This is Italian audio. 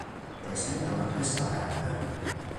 Presenta una cresta verde.